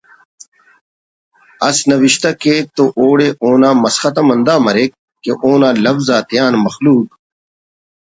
اس نوشتہ کیک تو اوڑے اونا مسخت ہم ہندا مریک کہ اونا لوز آتیان مخلوق